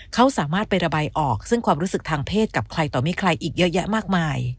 เขาสามารถไประบายออกซึ่งความรู้สึกทางเพศกับใครต่อมีใครอีกเยอะแยะมากมาย